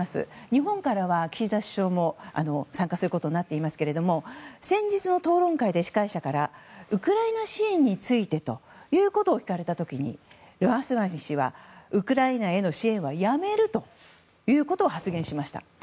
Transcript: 日本からは岸田首相も参加することになっていますが先日の討論会で、司会者からウクライナ支援について聞かれた時に、ラマスワミ氏はウクライナへの支援はやめるということを発言しました。